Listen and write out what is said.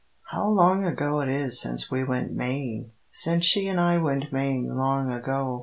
How long ago it is since we went Maying! Since she and I went Maying long ago!